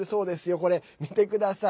これ、見てください。